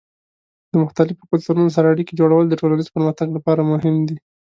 د مختلفو کلتورونو سره اړیکې جوړول د ټولنیز پرمختګ لپاره مهم دي.